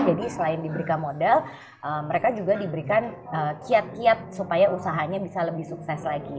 jadi selain diberikan modal mereka juga diberikan kiat kiat supaya usahanya bisa lebih sukses lagi